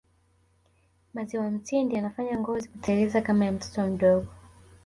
maziwa mtindi yanafanya ngozi kuteleza kama ya mtoto mdogo